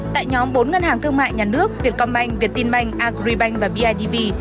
tại nhóm bốn ngân hàng thương mại nhà nước việtcombank việt tinh bank agribank và bidv